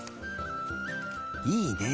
いいね。